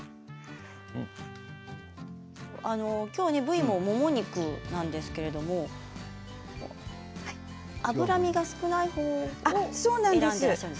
今日の部位はもも肉なんですけれど脂身が少ない方を選んでいらっしゃる。